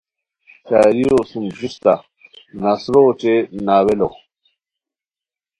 شاعریو سُم جوستہ نثرو اوچے ناولو